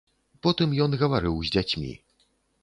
Потым ён гаварыў з дзяцьмі.